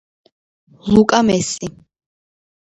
ლუკა მესი